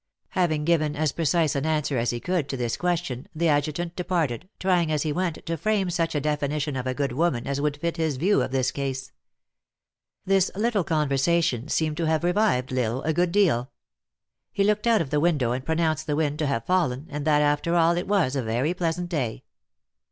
Having given as precise an answer as he could to this 64 THE ACTRESS IN HIGH LIFE. question, tlie adjutant departed, trying as lie went, to frame such a definition of a good woman as would fit liis view of tins case. This little conversation seemed to have revived L Isle a good deal. He looked out of the window and pronounced the wind to have fallen, aad that, after all, it was a very pleasant day.